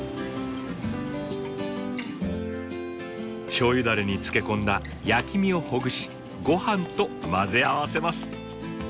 しょうゆダレに漬け込んだ焼き身をほぐしごはんと混ぜ合わせます。